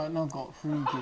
雰囲気で。